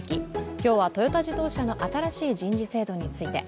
今日はトヨタ自動車の新しい人事制度について。